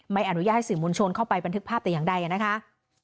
ไม่อนุญาตให้สื่อมวลชนเข้าไปบันทึกภาพแต่อย่างใดนะคะ